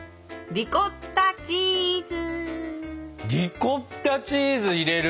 リコッタチーズ入れる？